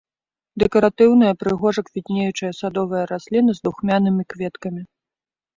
Дэкаратыўная прыгожа квітнеючая садовая расліна з духмянымі кветкамі.